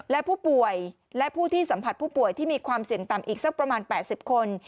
และผู้ป่วยและผู้ที่สัมผัสผู้ป่วยที่มีความเสี่ยงต่ำอีกสักประมาณ๘๐คน